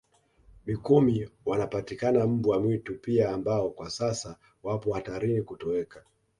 Mikumi wanapatikana mbwa mwitu pia ambao kwa sasa wapo hatarini kutoweka